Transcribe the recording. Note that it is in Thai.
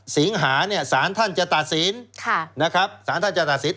สิงหาเนี่ยสารท่านจะตัดสินนะครับสารท่านจะตัดสิน